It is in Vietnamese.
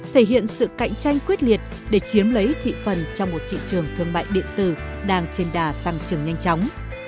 thể hiện sự cạnh tranh quyết liệt để chiếm lấy thị phần trong một thị trường thương mại điện tử đang trên đà tăng trưởng nhanh chóng